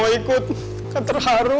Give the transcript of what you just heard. mau ikut kan terharu